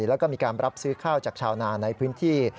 แล้วก็มีการรับซื้อข้าวจากชาวนาในพื้นที่